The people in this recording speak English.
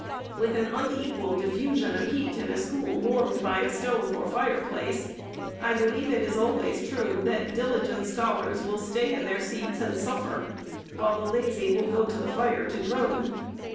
With an unequal diffusion of heat in a school warmed by a stove, or fireplace, I believe it is al ways true, that diligent scholars will stay in their seats and suffer, while the lazy will go to the fire to drone.